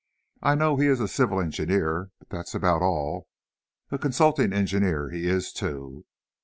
I know he is a civil engineer, but that's about all. A consulting engineer he is, too.